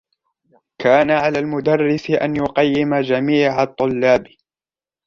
كان على المدرس أن يقيم جميع الطلب.